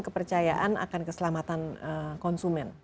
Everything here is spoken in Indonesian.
kepercayaan akan keselamatan konsumen